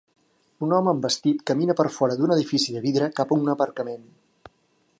Un home amb vestit camina per fora d'un edifici de vidre cap a un aparcament.